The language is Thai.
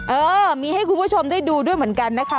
เออมีให้คุณผู้ชมได้ดูด้วยเหมือนกันนะคะ